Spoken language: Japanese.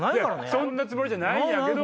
そんなつもりじゃないけど。